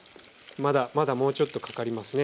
まだまだもうちょっとかかりますね。